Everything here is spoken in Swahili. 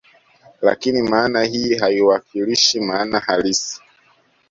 Lakini maana hii haiwakilishi maana halisi